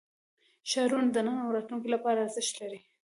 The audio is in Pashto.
ښارونه د نن او راتلونکي لپاره ارزښت لري.